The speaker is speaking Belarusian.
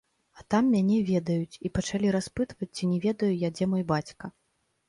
А там мяне ведаюць і пачалі распытваць, ці не ведаю я, дзе мой бацька.